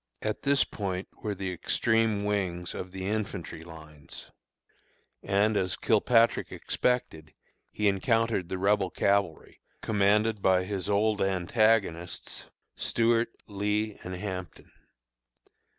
At this point were the extreme wings of the infantry lines, and as Kilpatrick expected, he encountered the Rebel cavalry, commanded by his old antagonists, Stuart, Lee, and Hampton.